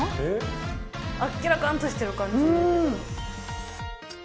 あっけらかんとしてる感じだけど。